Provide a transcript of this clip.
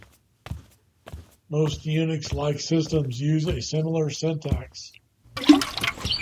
Most Unix-like systems use a similar syntax.